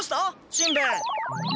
しんべヱ。